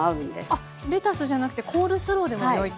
あっレタスじゃなくてコールスローでもよいと。